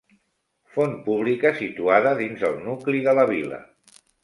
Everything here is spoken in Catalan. Font pública situada dins el nucli de la vila.